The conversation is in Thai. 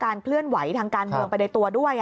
เคลื่อนไหวทางการเมืองไปในตัวด้วย